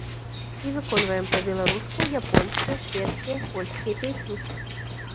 І выконваем па-беларуску японскія, шведскія, польскія песні.